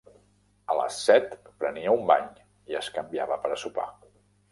A les set prenia un bany i es canviava per a sopar.